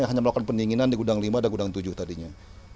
hanya melakukan pendinginan di gudang lima dan gudang tujuh tadinya